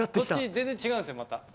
全然違うんですよ、また。